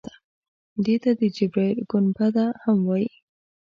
دې ته د جبرائیل ګنبده هم وایي.